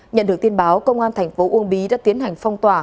nhận được tin báo công an thành phố uông bí đã tiến hành phong tỏa